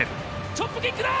チョップキックだ！